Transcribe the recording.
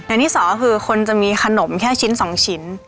อย่างที่สองก็คือคนจะมีขนมแค่ชิ้น๒ชิ้น